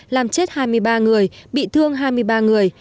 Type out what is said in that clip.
làm chết hai mươi ba người bị thương hai mươi ba người